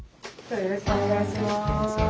よろしくお願いします。